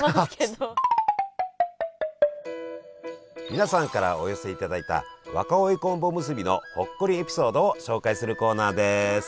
皆さんからお寄せいただいた若生昆布おむすびのほっこりエピソードを紹介するコーナーです。